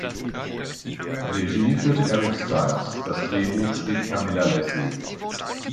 Regie führte Eric Styles, das Drehbuch schrieb Camilla Leslie.